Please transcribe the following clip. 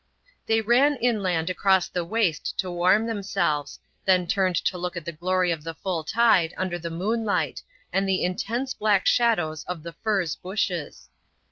They ran inland across the waste to warm themselves, then turned to look at the glory of the full tide under the moonlight and the intense black shadows of the furze bushes.